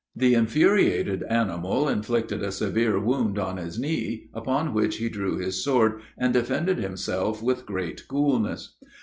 The infuriated animal inflicted a severe wound on his knee, upon which he drew his sword and defended himself with great coolness.